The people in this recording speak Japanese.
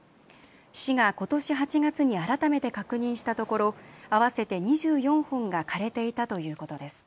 市がことし８月に改めて確認したところ合わせて２４本が枯れていたということです。